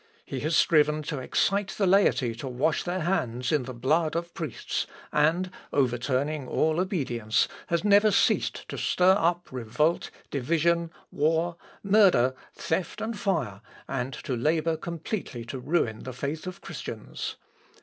He has striven to excite the laity to wash their hands in the blood of priests; and, overturning all obedience, has never ceased to stir up revolt, division, war, murder, theft, and fire, and to labour completely to ruin the faith of Christians....